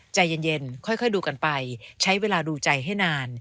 ใจเย็นค่อยดูกันไปใช้เวลาดูใจให้นาน